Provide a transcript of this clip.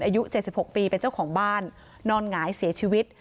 อายุ๗๖ปีเป็นเจ้าของบ้านนอนหงายเสียชีวิต